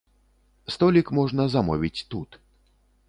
Столік можна замовіць тут.